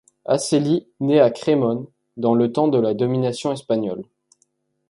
Aselli naît à Crémone, dans le temps de la domination espagnole.